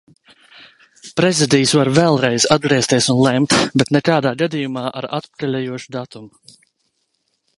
Prezidijs var vēlreiz atgriezties un lemt, bet nekādā gadījumā ar atpakaļejošu datumu.